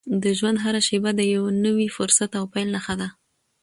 د ژوند هره شېبه د یو نوي فرصت او پیل نښه ده.